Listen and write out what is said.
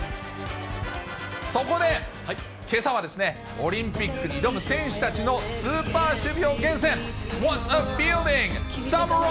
そこで、けさはオリンピックに挑む選手たちのスーパー守備を厳選。